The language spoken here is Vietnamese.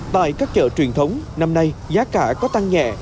tại các chợ truyền thống năm nay giá cả có tăng nhẹ